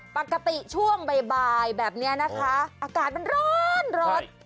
ปกติช่วงบ่ายแบบนี้นะคะอากาศมันร้อนร้อน